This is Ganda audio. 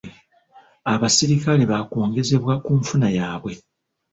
Abaserikale baakwongezebwa ku nfuna yaabwe.